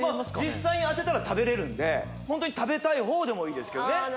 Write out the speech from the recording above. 実際に当てたら食べれるんでホントに食べたい方でもいいですけどねああ